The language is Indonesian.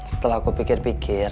setelah aku pikir pikir